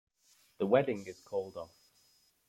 The wedding is called off.